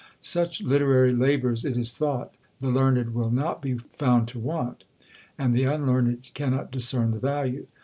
Such literary labours it is thought the learned will not be found to want; and the unlearned cannot discern the value.